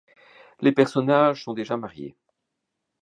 Les personnages sont déjà mariés.